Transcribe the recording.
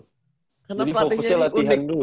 ini fokusnya latihan dulu